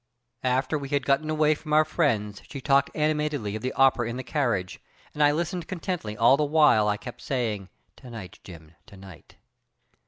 "After we had gotten away from our friends she talked animatedly of the opera in the carriage, and I listened contentedly all the while I kept saying 'Tonight, Jim, tonight!'